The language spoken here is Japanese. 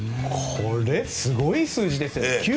これすごい数字ですよね。